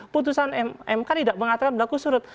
putusan mk tidak mengatakan berlaku surut